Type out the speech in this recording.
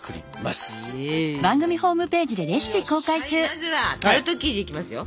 まずはタルト生地いきますよ。